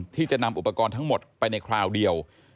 ที่จะนำอุปกรณ์ทั้งหมดไปในคราวเดียว